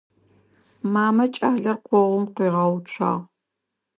Мамэ кӏалэр къогъум къуигъэуцуагъ.